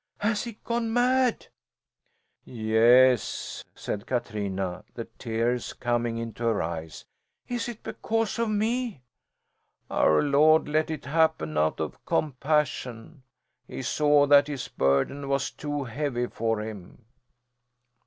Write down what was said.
Has he gone mad?" "Yes," said Katrina, the tears coming into her eyes. "Is it because of me?" "Our Lord let it happen out of compassion. He saw that his burden was too heavy for him."